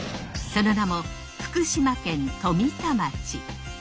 その名も福島県富田町。